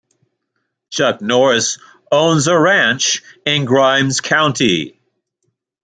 Chuck Norris owns a ranch in Grimes County.